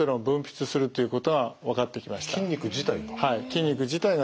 筋肉自体が？